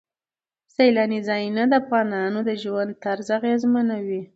سیلانی ځایونه د افغانانو د ژوند طرز اغېزمنوي.